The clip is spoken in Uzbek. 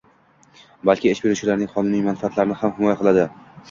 balki ish beruvchining qonuniy manfaatlarini ham himoya qiladi.